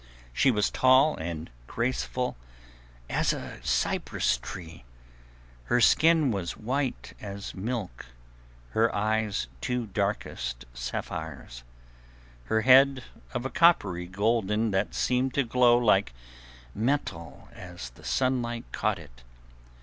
She was tall and graceful as a cypress tree; her skin was white as milk, her eyes two darkest sapphires, her head of a coppery golden that seemed to glow like metal as the sunlight caught it.